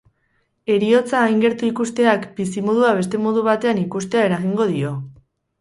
Heriotza hain gertu ikusteak bizimodua beste modu batean ikustea eragingo dio.